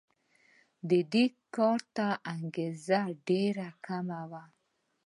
د دې کار ته انګېزه ډېره کمه وه.